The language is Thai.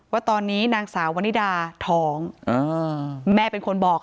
เราก็ตามไปดูว่าชีวิตความเป็นอยู่เป็นยังไง